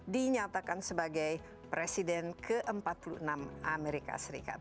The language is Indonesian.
dinyatakan sebagai presiden ke empat puluh enam amerika serikat